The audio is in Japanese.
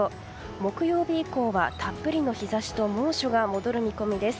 木曜日以降はたっぷりの日差しと猛暑が戻る見込みです。